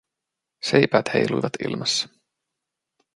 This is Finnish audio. Seipäät heiluivat ilmassa.